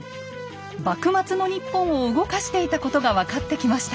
幕末の日本を動かしていたことが分かってきました。